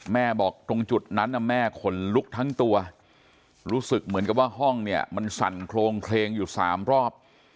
แม่บอกตรงจุดนั้นแม่ขนลุกทั้งตัวรู้สึกเหมือนกับว่าห้องเนี่ยมันสั่นโครงเคลงอยู่๓รอบ